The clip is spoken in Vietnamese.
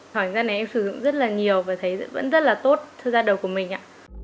thời gian này em sử dụng rất là nhiều và thấy vẫn rất là tốt cho da đầu của mình ạ